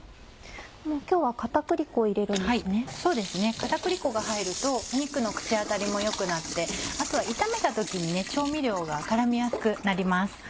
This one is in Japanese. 片栗粉が入ると肉の口当たりも良くなってあとは炒めた時に調味料が絡みやすくなります。